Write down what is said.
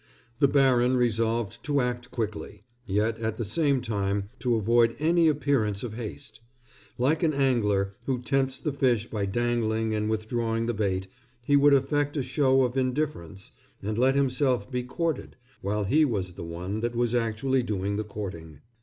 The baron resolved to act quickly, yet at the same time to avoid any appearance of haste. Like an angler, who tempts the fish by dangling and withdrawing the bait, he would affect a show of indifference and let himself be courted while he was the one that was actually doing the courting.